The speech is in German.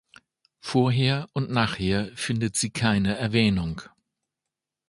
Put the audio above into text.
Vorher und nachher findet sie keine Erwähnung.